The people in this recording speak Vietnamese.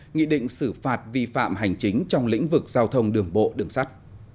nghị định xử phạt vi phạm hành chính trong lĩnh vực giao thông đường bộ đường sắt